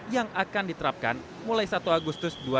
yang akan diterapkan mulai satu agustus dua ribu delapan belas mendatang